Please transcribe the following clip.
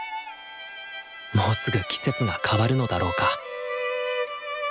もうすぐ季節が変わるのだろうか？